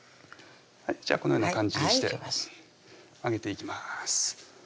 はいじゃあこのような感じにして揚げていきます